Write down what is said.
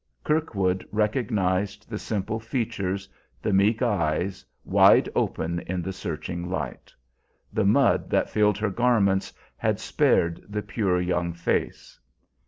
Kirkwood recognized the simple features, the meek eyes, wide open in the searching light. The mud that filled her garments had spared the pure young face.